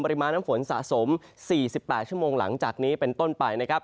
ปริมาณน้ำฝนสะสม๔๘ชั่วโมงหลังจากนี้เป็นต้นไปนะครับ